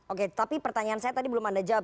oke tapi pertanyaan saya tadi belum anda jawab